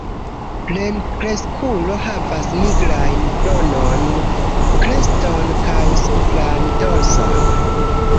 Plenkreskulo havas nigrajn kronon, kreston kaj supran dorson.